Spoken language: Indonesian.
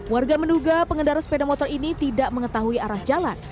warga menduga pengendara sepeda motor ini tidak mengetahui arah jalan